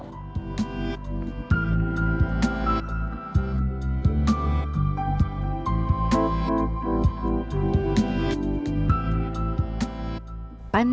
pesona songket ranah minang